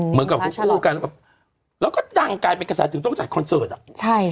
เหมือนกับคู่กันแบบแล้วก็ดังกลายเป็นกระแสถึงต้องจัดคอนเสิร์ตอ่ะใช่